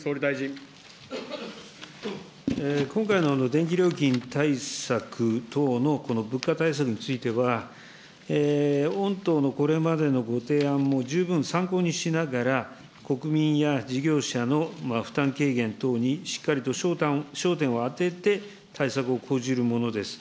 今回の電気料金対策等のこの物価対策については、御党のこれまでのご提案も十分参考にしながら、国民や事業者の負担軽減等にしっかりと焦点を当てて、対策を講じるものです。